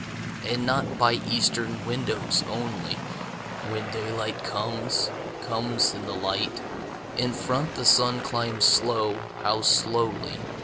And not by eastern windows only, When daylight comes, comes in the light; In front the sun climbs slow, how slowly!